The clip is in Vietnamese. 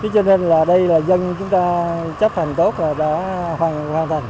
cho nên là đây là dân chúng ta chấp hành tốt và đã hoàn thành